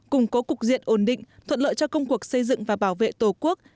củng cố cục diện ổn định thuận lợi cho công cuộc xây dựng và bảo vệ tổ quốc